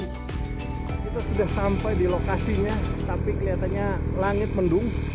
kita sudah sampai di lokasinya tapi kelihatannya langit mendung